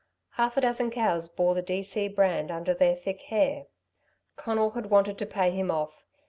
Half a dozen cows bore the D.C. brand under their thick hair. Conal had wanted to pay him off.